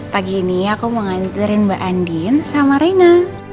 pagi ini aku mau nganterin mbak andin sama reina